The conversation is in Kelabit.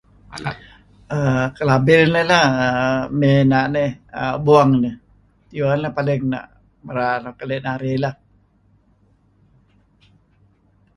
err kelabil nih lah[err] mey na' nih err buang nih , neh diweh neh err paling merar nuk keli' narih lah.